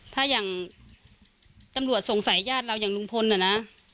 ถ้าอย่างตำรวจสงสัยยาดเราอย่างดรพนธ์อะน่ะ